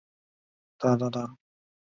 届时分享一下吧